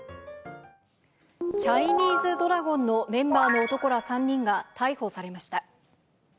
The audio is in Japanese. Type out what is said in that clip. チャイニーズドラゴンのメンバーの男ら３人が逮捕されました。